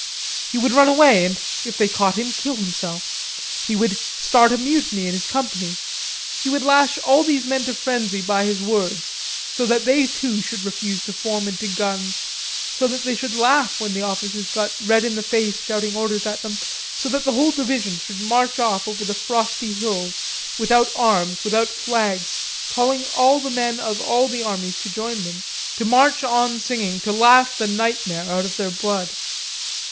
He would run away and if they caught him, kill himself. He would start a mutiny in his company, he would lash all these men to frenzy by his words, so that they too should refuse to form into Guns, so that they should laugh when the officers got red in the face shouting orders at them, so that the whole division should march off over the frosty hills, without arms, without flags, calling all the men of all the armies to join them, to march on singing, to laugh the nightmare out of their blood.